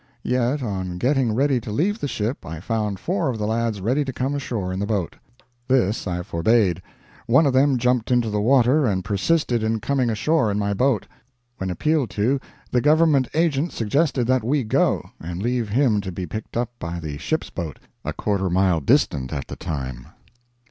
Yet on getting ready to leave the ship I found four of the lads ready to come ashore in the boat! This I forbade. One of them jumped into the water and persisted in coming ashore in my boat. When appealed to, the Government Agent suggested that we go and leave him to be picked up by the ship's boat, a quarter mile distant at the time!"